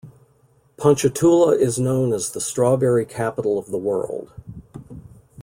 Ponchatoula is known as the "Strawberry Capital of the World".